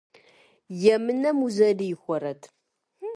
Емынэм узэрихуэрэт?